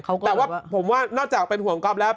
แต่ว่าผมว่านอกจากเป็นห่วงก๊อฟแล้ว